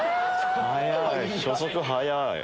初速速い！